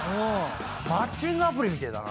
マッチングアプリみてえだな。